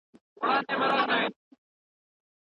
د ټولنپوهني مطالعاتو مفاهیمو پراخ سوي.